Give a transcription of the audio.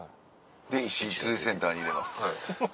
石井釣センターに入れます。